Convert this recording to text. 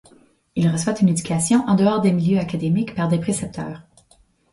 Il reçoit une éducation en dehors des milieux académiques par des précepteurs.